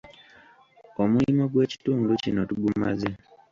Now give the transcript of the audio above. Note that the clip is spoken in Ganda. Omulimo gw'ekitundu kino tugumaze.